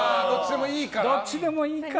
どっちでもいいから。